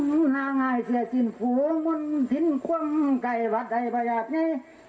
หล่างหายเสียชินผู้มนต์ทิ้งควังไก่วัดใดประหยัดนี้